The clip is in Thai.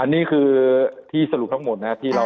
อันนี้คือที่สรุปทั้งหมดนะครับ